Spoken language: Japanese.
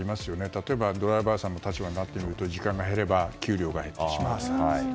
例えば、ドライバーさんの立場になってみると時間が減れば給料が減ってしまう。